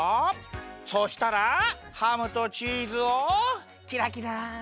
そしたらハムとチーズをキラキラ！